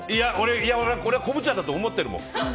俺は昆布茶だと思ってるもん。